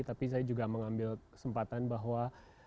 tapi saya juga mengambil kesempatan bahwa